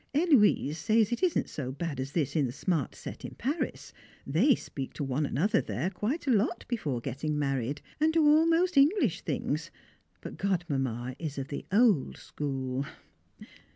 Héloise says it isn't so bad as this in the smart set in Paris; they speak to one another there quite a lot before getting married, and do almost English things, but Godmamma is of the old school.